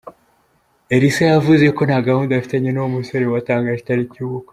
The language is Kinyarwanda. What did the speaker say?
Elsa yavuze ko nta gahunda afitanye n’uwo musore watangaje itariki y’ubukwe.